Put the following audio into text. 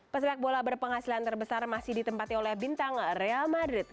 pesepak bola berpenghasilan terbesar masih ditempati oleh bintang real madrid